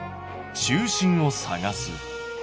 「中心を探す」。